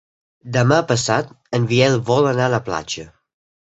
Demà passat en Biel vol anar a la platja.